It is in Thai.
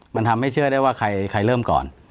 มันทำให้เชื่อได้ว่าใครเริ่มก่อน